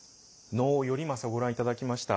能「頼政」ご覧いただきました。